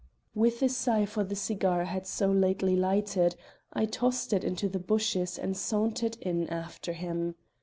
With a sigh for the cigar I had so lately lighted I tossed it into the bushes and sauntered in after him.